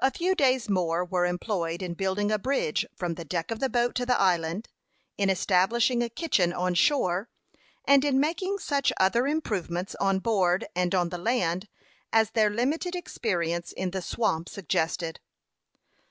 A few days more were employed in building a bridge from the deck of the boat to the island, in establishing a kitchen on shore, and in making such other improvements on board and on the land as their limited experience in the swamp suggested.